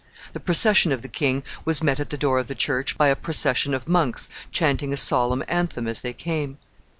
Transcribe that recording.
The procession of the king was met at the door of the church by a procession of monks chanting a solemn anthem as they came.